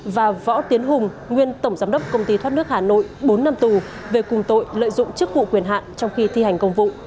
và võ tiến hùng nguyên tổng giám đốc công ty thoát nước hà nội bốn năm tù về cùng tội lợi dụng chức vụ quyền hạn trong khi thi hành công vụ